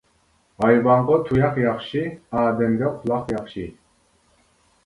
ھايۋانغا تۇياق ياخشى، ئادەمگە قۇلاق ياخشى.